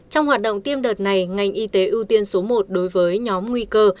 trong hoạt động tiêm đợt này ngành y tế ưu tiên số một đối với nhóm nguy cơ